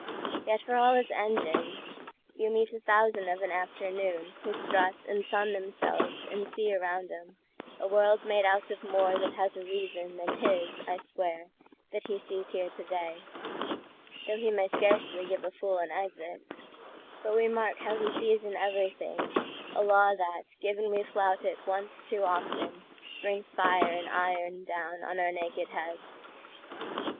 … Yet, for all his engines, You'll meet a thousand of an afternoonWho strut and sun themselves and see around 'emA world made out of more that has a reasonThan his, I swear, that he sees here to day; Though he may scarcely give a Fool an exitBut we mark how he sees in everythingA law that, given we flout it once too often, Brings fire and iron down on our naked heads.